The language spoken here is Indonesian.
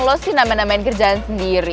lo sih nama namain kerjaan sendiri